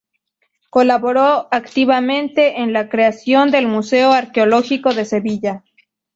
Colaboró activamente en la creación del Museo Arqueológico de Sevilla.